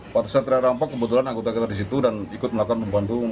waktu saya diraih rampok kebetulan anggota anggota disitu dan ikut melakukan pembantu